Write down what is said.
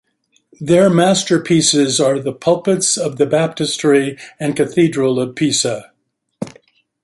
Their masterpieces are the pulpits of the Baptistery and Cathedral of Pisa.